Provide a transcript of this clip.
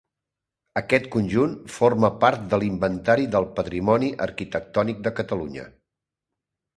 Aquest conjunt forma part de l'Inventari del Patrimoni Arquitectònic de Catalunya.